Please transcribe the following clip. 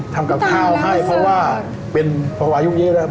ทำกับข้าวให้เพราะว่าเป็นพออายุเยอะแล้ว